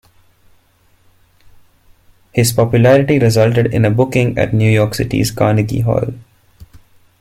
His popularity resulted in a booking at New York City's Carnegie Hall.